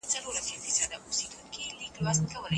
تاسې بايد نوښت وکړئ.